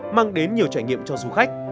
mang đến nhiều trải nghiệm cho du khách